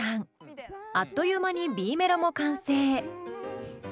あっという間にＢメロも完成。